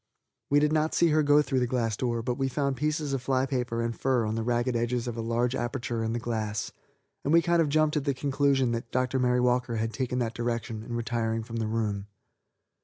We did not see her go through the glass door, but we found pieces of fly paper and fur on the ragged edges of a large aperture in the glass, and we kind of jumped at the conclusion that Dr. Mary Walker had taken that direction in retiring from the room.